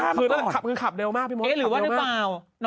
เรียกขับเร็วมากพี่หมด